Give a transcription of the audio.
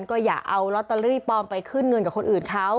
ก็อย่าเอาลอตเตอรี่ปลอมไปขึ้นเงินกับคนอื่นเขา